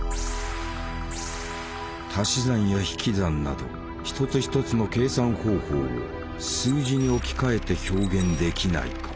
足し算や引き算など一つ一つの計算方法を数字に置き換えて表現できないか。